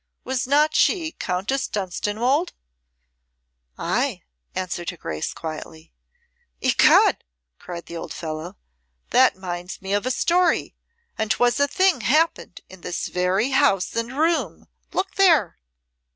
"Was not she Countess Dunstanwolde?" "Ay," answered her Grace, quietly. "Ecod!" cried the old fellow, "that minds me of a story, and 'twas a thing happened in this very house and room. Look there!"